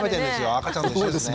赤ちゃんと一緒ですね。